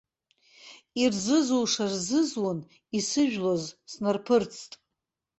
Ирзызуша рзызун, исыжәлоз снарԥырҵт.